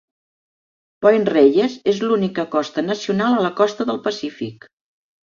Point Reyes és l'única costa nacional a la costa del Pacífic.